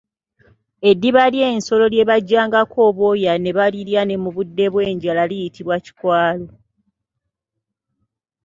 Eddiba ly'ensolo lye bajjangako obwoya ne balirya ne mu budde obw'enjala liyitibwa kikwalo.